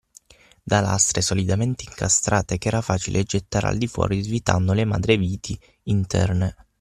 Da lastre solidamente incastrate ch’era facile gettare al di fuori svitando le madreviti interne